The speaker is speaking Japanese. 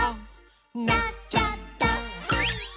「なっちゃった！」